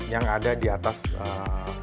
yang ada di atas kapal